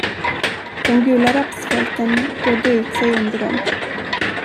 De gula rapsfälten bredde ut sig under dem.